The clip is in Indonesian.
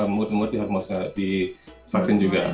mungkin diharmonisasi di vaksin juga